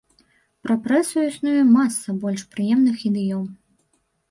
Пра прэсу існуе маса больш прыемных ідыём.